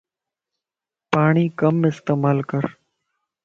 پاڙين ڪم استعمال ڪر